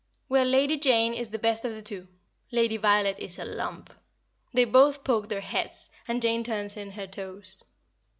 Well, Lady Jane is the best of the two; Lady Violet is a lump. They both poke their heads, and Jane turns in her toes.